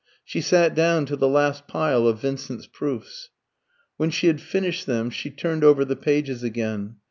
She sat down to the last pile of Vincent's proofs. When she had finished them, she turned over the pages again.